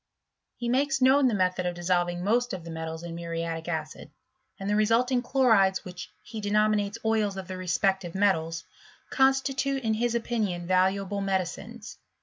He makes known the method of dissolving most of the metals in muriatic acid, and the resulting chlorides, which he denominates oils of the respective metals, constitute in his opinion valuable medicines.